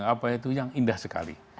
apa itu yang indah sekali